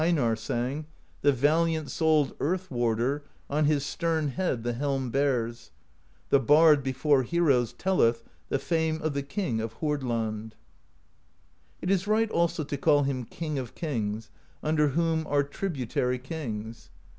\ 198 PROSE EDDA As Einarr sang: The valiant souled Earth Warder On his stern head the helm bears; The bard before heroes telleth The fame of the King of Hordland. It is right also to call him King of Kings, under whom are tributary kings.